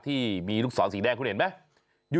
ที่มีลูกศรสีแดงคุณเห็นไหม